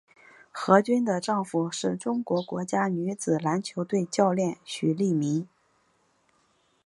何军的丈夫是中国国家女子篮球队教练许利民。